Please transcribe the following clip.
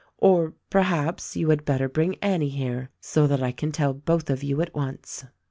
Or, perhaps, you had better bring Annie here, so that I can tell both of you at once."